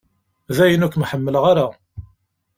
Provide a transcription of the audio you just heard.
Dayen ur kem-ḥemmleɣ ara.